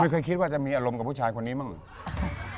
เคยคิดว่าจะมีอารมณ์กับผู้ชายคนนี้บ้างหรือ